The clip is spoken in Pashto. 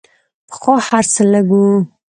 پخوا هر څه لږ وو.